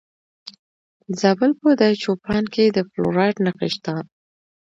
د زابل په دایچوپان کې د فلورایټ نښې شته.